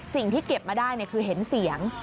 สิ่งที่เก็บมาได้คือเห็นเสียง